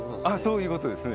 そういうことですね。